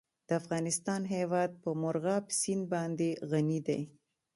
د افغانستان هیواد په مورغاب سیند باندې غني دی.